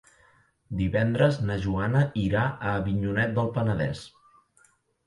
Divendres na Joana irà a Avinyonet del Penedès.